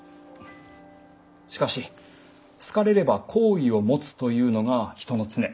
しかし好かれれば好意を持つというのが人の常！